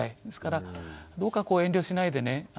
ですからどうか遠慮しないでね